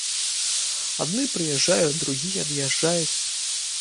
Адны прыязджаюць, другія ад'язджаюць.